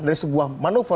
dari sebuah manuver